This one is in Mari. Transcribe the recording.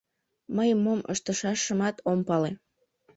Мый, мом ыштышашымат, ом пале.